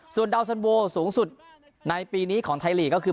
ส่วนดาวสันโวสูงสุดในปีนี้ของไทยลีกก็คือ